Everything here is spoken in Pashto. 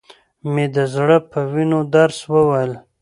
مې د زړه په وينو درس وويل.